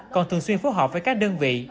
còn thường xuyên phối hợp với các đơn vị